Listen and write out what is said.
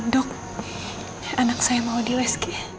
dok anak saya mau di usg